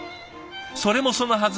それもそのはず